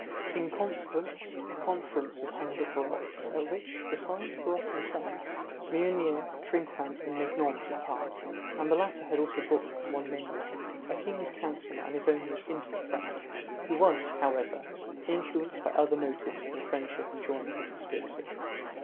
In consequence, a conference was held at Barot's, at which, besides Barot himself, Meunier, Trinquant, and Mignon took part, and the latter had also brought with him one Menuau, a king's counsel and his own most intimate friend, who was, however, influenced by other motives than friendship in joining the conspiracy.